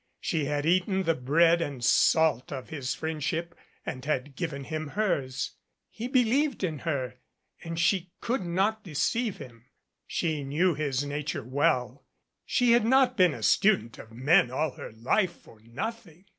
She had eaten the bread and salt of his friendship and had given him hers. He believed in her and she could not deceive him. She knew his nature well. She had not been a student of men all her life for nothing.